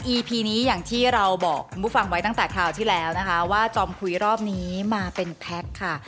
พีนี้อย่างที่เราบอกคุณผู้ฟังไว้ตั้งแต่คราวที่แล้วนะคะว่าจอมคุยรอบนี้มาเป็นแพ็คค่ะ